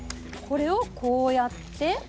これをこうやって。